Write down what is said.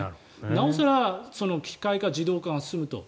なお更機械化、自動化が進むと。